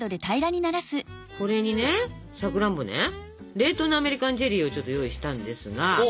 冷凍のアメリカンチェリーを用意したんですが